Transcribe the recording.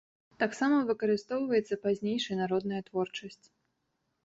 Таксама выкарыстоўваецца пазнейшая народная творчасць.